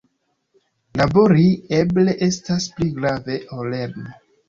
Labori eble estas pli grave ol lerni.